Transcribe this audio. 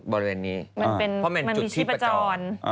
บริเวณนี้เพราะมันมีชุดที่ประจอง